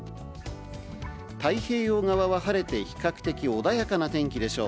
太平洋側は晴れて比較的穏やかな天気でしょう。